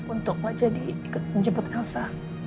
untuk menjadi ikut menjemput elsa